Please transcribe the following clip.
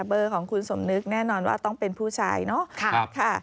เบอร์ของคุณสมนึกแน่นอนว่าต้องเป็นผู้ชายเนาะ